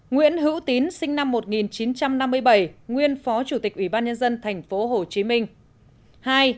một nguyễn hữu tín sinh năm một nghìn chín trăm năm mươi bảy nguyên phó chủ tịch ủy ban nhân dân thành phố hồ chí minh